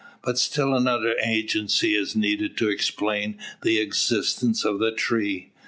But still another agency is needed to explain the existence of the tree.